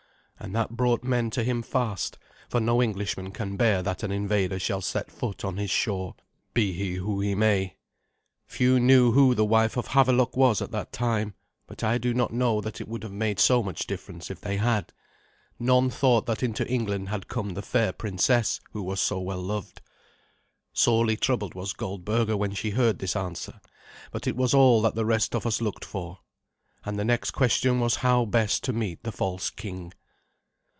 And that brought men to him fast, for no Englishman can bear that an invader shall set foot on his shore, be he who he may. Few knew who the wife of Havelok was at that time, but I do not know that it would have made so much difference if they had. None thought that into England had come the fair princess who was so well loved. Sorely troubled was Goldberga when she heard this answer, but it was all that the rest of us looked for. And the next question was how best to meet the false king.